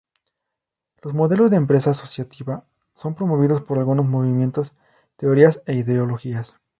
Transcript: Los modelos de empresa asociativa son promovidos por algunos movimientos, teorías e ideologías.